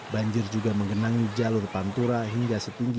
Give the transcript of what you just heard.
banjir juga menggenangi jalur pantura hingga setinggi